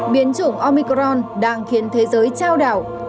biến chủng omicron đang khiến thế giới trao đảo